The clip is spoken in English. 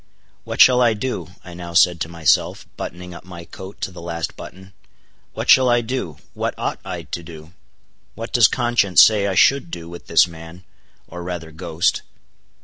What shall I do? I now said to myself, buttoning up my coat to the last button. What shall I do? what ought I to do? what does conscience say I should do with this man, or rather ghost.